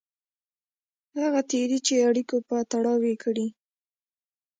هغه تېري چې اړیکو په تړاو یې کړي.